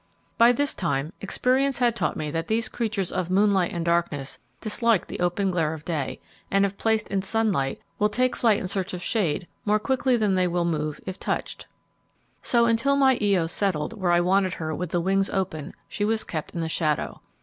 By this time experience had taught me that these creatures of moonlight and darkness dislike the open glare of day, and if placed in sunlight will take flight in search of shade more quickly than they will move if touched. So until my Io settled where I wanted her with the wings open, she was kept in the shadow.